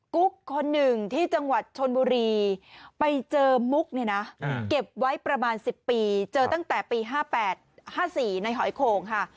กุ๊กคนหนึ่งที่จังหวัดชนบุรีไปเจอมุกเนี่ยนะเก็บไว้ประมาณ๑๐ปีเจอตั้งแต่ปี๕๘๕๔ในหอยโข่งค่ะ